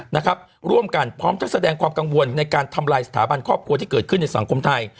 นะครับร่วมกันพร้อมทั้งแสดงความกังวลในการทำลายสถาบันครอบครัวที่เกิดขึ้นในสังคมไทย